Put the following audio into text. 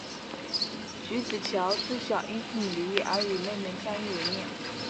菊梓乔自小因父母离异而与妹妹相依为命。